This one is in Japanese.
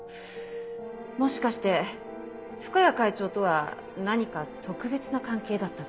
もしかして深谷会長とは何か特別な関係だったとか？